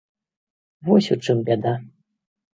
Вось у чым бяда.